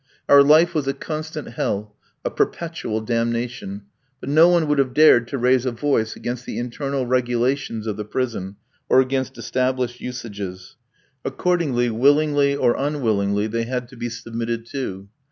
Our life was a constant hell, a perpetual damnation; but no one would have dared to raise a voice against the internal regulations of the prison, or against established usages. Accordingly, willingly or unwillingly, they had to be submitted to.